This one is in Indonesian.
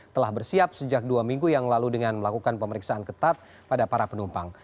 telah bersiap sejak dua minggu yang lalu dengan melakukan pemeriksaan ketat pada para penumpang